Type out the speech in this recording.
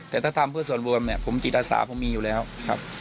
แต่ถ้าทำเพื่อส่วนรวมเนี่ยผมจิตอาสาผมมีอยู่แล้วครับ